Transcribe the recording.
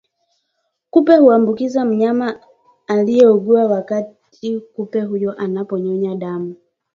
kupe huambukiza mnyama asiyeugua wakati kupe huyo anapomnyonya damu